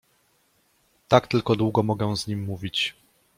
Tak tylko długo mogę z nim mówić.